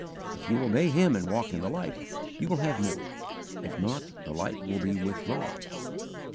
If you obey Him and walk in the light, you will have more; if not, the light will be withdrawn."